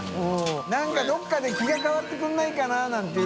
覆鵑どこかで気が変わってくれないかななんていうね。